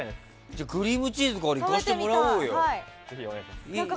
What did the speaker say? じゃあクリームチーズからいかせてもらおうよ。